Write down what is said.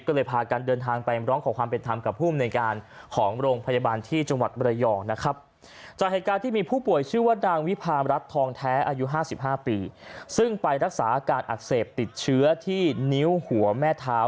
ก็เลยพากันเดินทางไปร้องขอความเป็นธรรมกับภูมิในการของโรงพยาบาลที่จังหวัดบรยองนะครับ